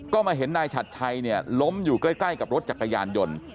ก็มาเห็นนายฉัดชัยเนี่ยล้มอยู่ใกล้กับรถจักรยานยนต์